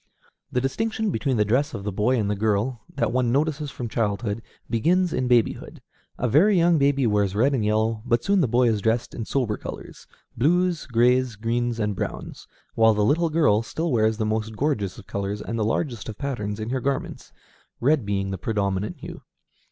The distinction between the dress of the boy and the girl, that one notices from childhood, begins in babyhood. A very young baby wears red and yellow, but soon the boy is dressed in sober colors, blues, grays, greens, and browns; while the little girl still wears the most gorgeous of colors and the largest of patterns in her garments, red being the predominant hue.